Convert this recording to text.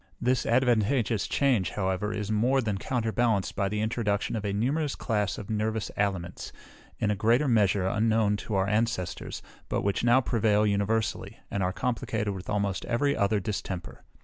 This advantageous change, however, is more than counterbalanced by the introduction of a numerous class of nervous aliments, in a greater measure, unknown to our ancestors, but which now prevail universally, and are complicated with almost every other distemper.